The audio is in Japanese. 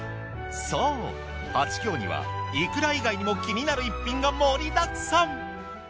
そうはちきょうにはいくら以外にも気になる逸品が盛りだくさん。